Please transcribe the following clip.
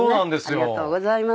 ありがとうございます。